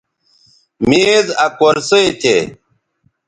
میز آ کرسئ تھے